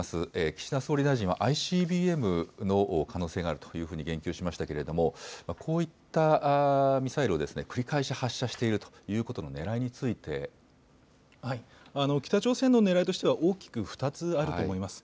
岸田総理大臣はＩＣＢＭの可能性があるというふうに言及しましたけれども、こういったミサイルを繰り返し発射しているということのねらいに北朝鮮のねらいとしては、大きく２つあると思います。